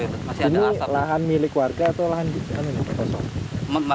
ini lahan milik warga atau lahan di sana